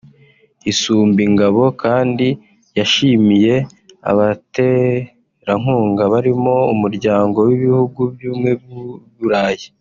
Isumbingabo kandi yashimiye abaterankunga barimo Umuryango w’Ibihugu by’Ubumwe bw’u Burayi